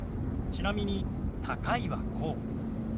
ちなみに「高い」はこう。